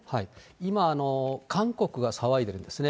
今、韓国が騒いでるんですね。